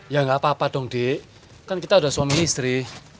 ya nggak apa apa dong dik kan kita sudah suami istri